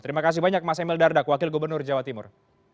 terima kasih banyak mas emil dardak wakil gubernur jawa timur